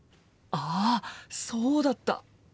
あそうだった！